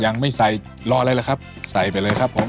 ยังไม่ใส่รออะไรล่ะครับใส่ไปเลยครับผม